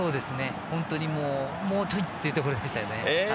本当に、もうちょっとというところでしたね。